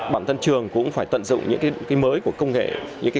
bản thân trường cũng phải tận dụng những cái